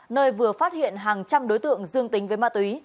nơi vừa phát hiện hàng trăm đối tượng dương tính với ma túy